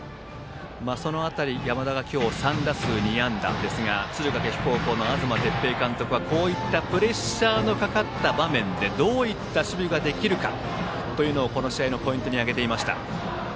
その辺り、山田が今日３打数２安打ですが敦賀気比高校の東哲平監督はこういったプレッシャーのかかった場面でどういった守備ができるかをこの試合のポイントに挙げていました。